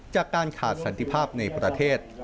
จากการขาดสันติภาพในประเทศ